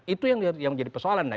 itu yang menjadi persoalan